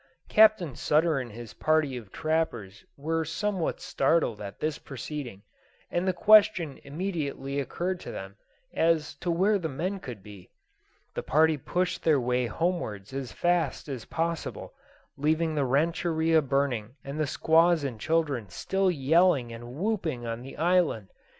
Captain Sutter and his party of trappers were somewhat startled at this proceeding, and the question immediately occurred to them as to where the men could be. The party pushed their way homewards as fast, as possible; leaving the rancheria burning and the squaws and children still yelling and whooping on the island.